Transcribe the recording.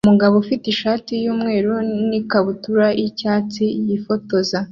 Umugabo ufite ishati yumweru na ikabutura yicyatsi yifotoza